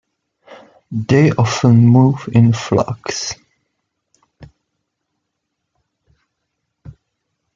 They often move in flocks.